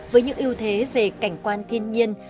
với những yêu thế về cảnh quan thiên nhiên